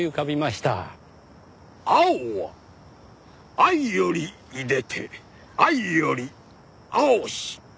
青は藍より出でて藍より青し！